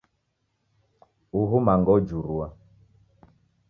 Uhu manga ojurua